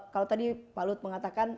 kalau tadi pak lut mengatakan